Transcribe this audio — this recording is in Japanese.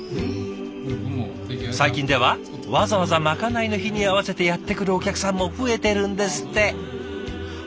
最近ではわざわざまかないの日に合わせてやって来るお客さんも増えてるんですって。